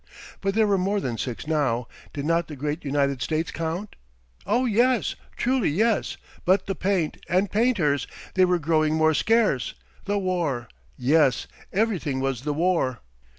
But there were more than six now did not the great United States count? Oh, yes, truly yes but the paint and painters! They were growing more scarce. The war yes. Everything was the war.